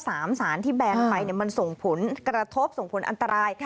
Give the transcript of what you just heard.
สารที่แบนไปมันส่งผลกระทบส่งผลอันตราย